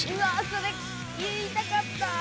それ言いたかった！